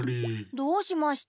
どうしました？